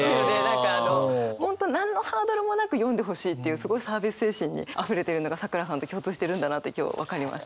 何かあの本当何のハードルもなく読んでほしいっていうすごいサービス精神にあふれてるのがさくらさんと共通してるんだなって今日分かりました。